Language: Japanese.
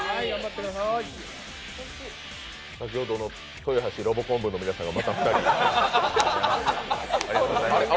先ほどの豊橋ロボコン部の皆さんが。